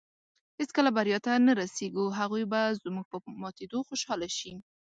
هېڅکله بریا ته نۀ رسېږو. هغوی به زموږ په ماتېدو خوشحاله شي